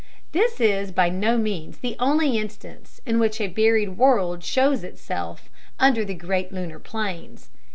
This is by no means the only instance in which a buried world shows itself under the great lunar plains.